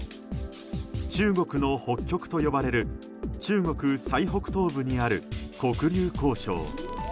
中国の北極と呼ばれる中国最北東部にある黒竜江省。